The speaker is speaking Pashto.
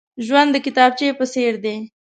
ژوند د کتابچې په څېر دی.